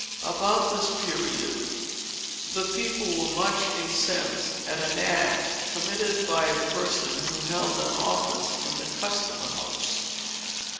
About this period, the people were much incensed at an act, committed by a person who held an office in the custom house.